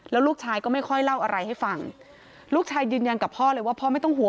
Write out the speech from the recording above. แล้วลูกชายก็ไม่ค่อยเล่าอะไรให้ฟังลูกชายยืนยันกับพ่อเลยว่าพ่อไม่ต้องห่วง